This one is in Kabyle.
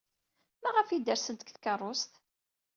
Maɣef ay d-rsent seg tkeṛṛust?